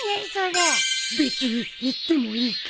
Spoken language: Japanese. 別に行ってもいいけど。